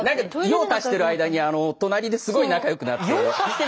用足してる間に隣ですごい仲良くなって。